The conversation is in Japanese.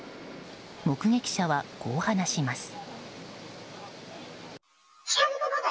目撃者は、こう話します。